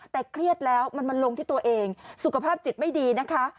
แต่เครียดแล้วมันมาลงที่ตัวเองสุขภาพจิตไม่ดีนะคะ